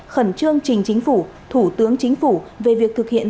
khẩn trương trình chính phủ thủ tướng chính phủ về việc thực hiện